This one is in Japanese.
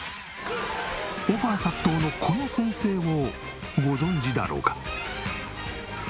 オファー殺到のこの先生をご存じだろうか？